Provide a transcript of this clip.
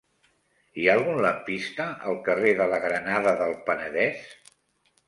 Hi ha algun lampista al carrer de la Granada del Penedès?